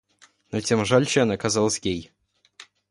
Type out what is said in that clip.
Но тем жалче она казалась ей.